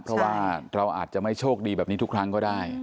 เพราะว่าเราอาจจะไม่โชคดีแบบนี้ทุกครั้งก็ได้